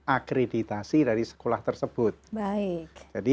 akreditasi dari sekolah tersebut baik jadi